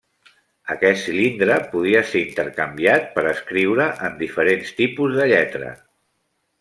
Aquest cilindre podia ser intercanviat per escriure en diferents tipus de lletra.